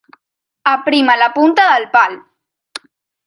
Aprima la punta del pal.